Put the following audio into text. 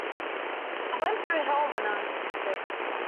I went through hell when I was evicted.